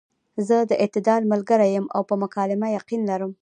زۀ د اعتدال ملګرے يم او پۀ مکالمه يقين لرم -